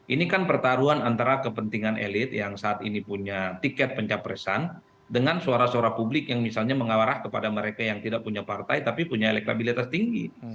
ini kan pertaruhan antara kepentingan elit yang saat ini punya tiket pencapresan dengan suara suara publik yang misalnya mengarah kepada mereka yang tidak punya partai tapi punya elektabilitas tinggi